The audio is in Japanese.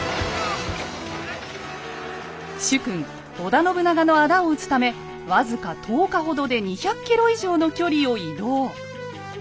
主君織田信長の仇を討つため僅か１０日ほどで２００ｋｍ以上の距離を移動。